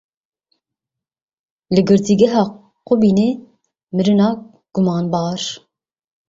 Li Girtîgeha Qubînê mirina gumanbar.